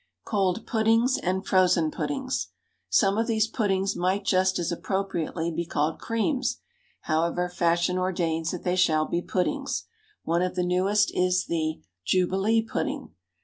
Cold Puddings and Frozen Puddings. Some of these "puddings" might just as appropriately be called creams; however, fashion ordains that they shall be puddings. One of the newest is the _Jubilee Pudding.